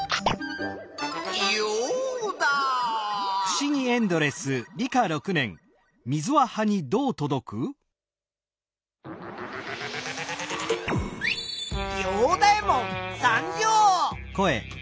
ヨウダ！ヨウダエモン参上！